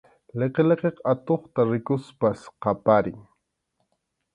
Liqiliqiqa atuqta rikuspas qaparin.